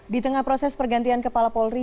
di tengah proses pergantian kepala polri